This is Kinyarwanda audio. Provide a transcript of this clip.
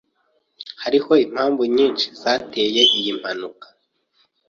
Hariho impamvu nyinshi zateye iyi mpanuka